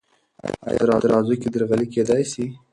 آیا په ترازو کې درغلي کیدی سی؟